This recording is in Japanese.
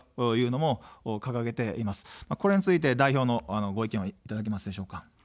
これについて代表のご意見はいかがでしょうか。